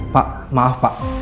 pak maaf pak